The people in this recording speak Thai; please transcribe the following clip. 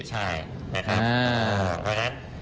ใช่นะครับ